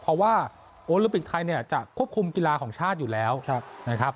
เพราะว่าโอลิมปิกไทยเนี่ยจะควบคุมกีฬาของชาติอยู่แล้วนะครับ